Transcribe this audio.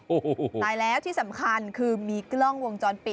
โอ้โหตายแล้วที่สำคัญคือมีกล้องวงจรปิด